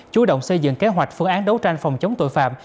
chú động xây dựng kế hoạch phương án đấu tranh phòng chống tội phạm